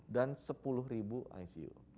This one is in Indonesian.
dan sepuluh ribu icu